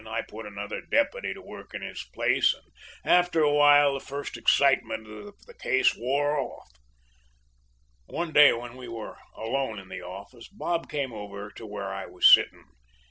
I put another deputy to work in his place, and after a while, the first excitement of the case wore off. "One day when we were alone in the office Bob came over to where I was sitting.